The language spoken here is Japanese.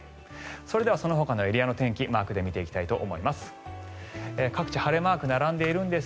それではそのほかのエリアの天気をマークで見ていきたいと思います。